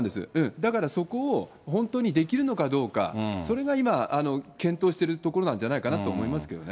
だからそこを本当にできるのかどうか、それが今、検討しているところなんじゃないかなと思いますけどね。